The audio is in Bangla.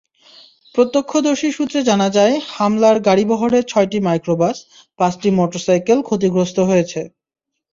প্রত্যক্ষদর্শী সূত্রে জানা যায়, হামলায় গাড়িবহরের ছয়টি মাইক্রোবাস, পাঁচটি মোটরসাইকেল ক্ষতিগ্রস্ত হয়েছে।